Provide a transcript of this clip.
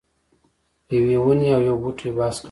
یوې ونې او یو بوټي بحث کاوه.